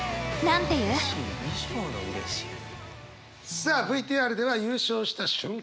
さあＶＴＲでは優勝した瞬間